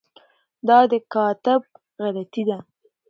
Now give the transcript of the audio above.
دا د کاتب غلطي ده.